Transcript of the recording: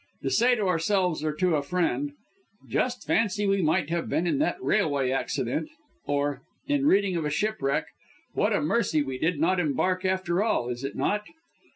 To say to ourselves, or to a friend, "Just fancy, we might have been in that railway accident," or, in reading of a shipwreck "What a mercy we did not embark after all, is it not?"